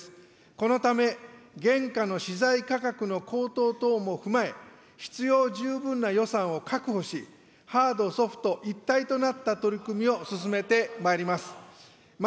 このため、現下の資材価格の高騰等も踏まえ、必要十分な予算を確保し、ハード、ソフト一体となった取り組みを進めてまいります。